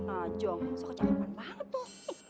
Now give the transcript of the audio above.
ajong suka calepan banget tuh